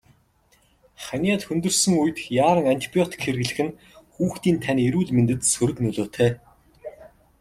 Ханиад хүндэрсэн үед яаран антибиотик хэрэглэх нь хүүхдийн тань эрүүл мэндэд сөрөг нөлөөтэй.